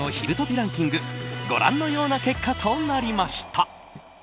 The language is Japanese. ランキングご覧のような結果となりました。